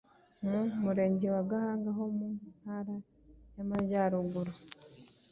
mu murenge wa Gahunga ho mu ntara y’Amajyaruguru,